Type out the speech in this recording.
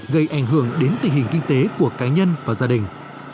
gây ảnh hưởng đến tình hình kinh tế của cá nhân và gia đình